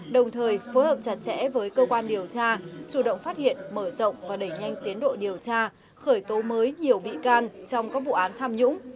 đồng thời phối hợp chặt chẽ với cơ quan điều tra chủ động phát hiện mở rộng và đẩy nhanh tiến độ điều tra khởi tố mới nhiều bị can trong các vụ án tham nhũng